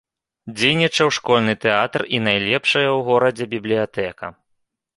Дзейнічаў школьны тэатр і найлепшая ў горадзе бібліятэка.